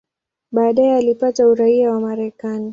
Baadaye alipata uraia wa Marekani.